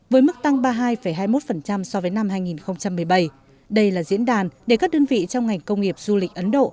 với mức tăng ba mươi hai hai mươi một so với năm hai nghìn một mươi bảy đây là diễn đàn để các đơn vị trong ngành công nghiệp du lịch ấn độ